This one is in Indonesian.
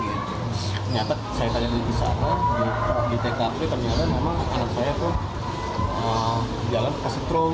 ternyata saya tanya di sana di tkp ternyata memang anak saya tuh jalan ke setrum